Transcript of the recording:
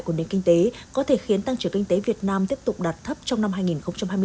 của nền kinh tế có thể khiến tăng trưởng kinh tế việt nam tiếp tục đạt thấp trong năm hai nghìn hai mươi bốn